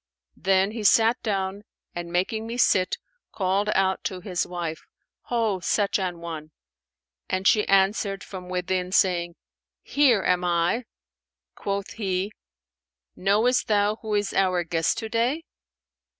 Then he sat down and making me sit, called out to his wife, 'Ho, such an one!' and she answered from within saying, 'Here am I.' Quoth he, 'Knowest thou who is our guest to day?'